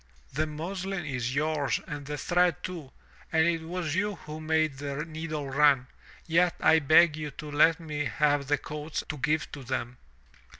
The muslin is yours and the thread too, and it was you who made the needle run, yet I beg you let me have the coats to give to them."